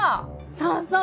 そうそう。